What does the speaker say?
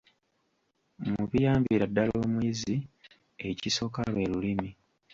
Mu biyambira ddala omuyizi, ekisooka lwe lulimi.